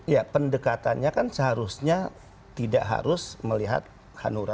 ya pendekatannya kan seharusnya tidak harus melihat hanura